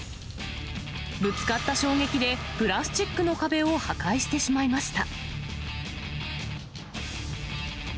ぶつかった衝撃で、プラスチックの壁を破壊してしまいました。